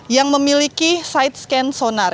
yang memiliki side scan sonar